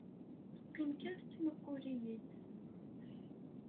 Teqqim kan tettmuqqul-iyi-d.